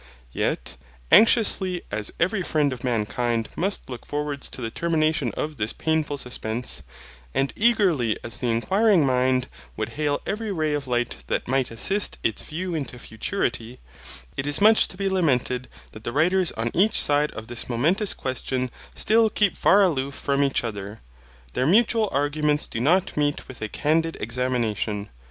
Yet, anxiously as every friend of mankind must look forwards to the termination of this painful suspense, and eagerly as the inquiring mind would hail every ray of light that might assist its view into futurity, it is much to be lamented that the writers on each side of this momentous question still keep far aloof from each other. Their mutual arguments do not meet with a candid examination.